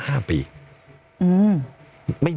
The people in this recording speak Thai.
ใครจะคิดว่าคุณลุงจะอยู่ได้๕ปี